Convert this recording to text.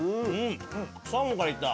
サーモンからいった。